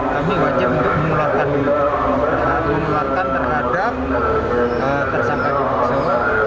kami wajib untuk mengularkan terhadap tersangka di pori